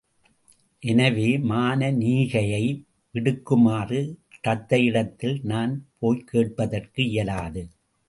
எனவே மானனீகையை விடுக்குமாறு தத்தையிடத்தில் நான் போய்க் கேட்பதற்கு இயலாது.